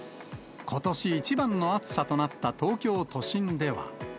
ことし一番の暑さとなった東京都心では。